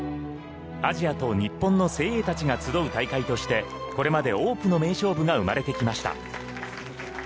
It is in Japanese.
アジアと日本の精鋭たちが集う大会としてこれまで多くの名勝負が生まれてきました。